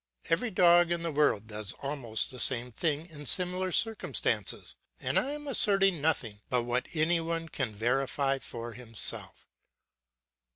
Every dog in the world does almost the same thing in similar circumstances, and I am asserting nothing but what any one can verify for himself.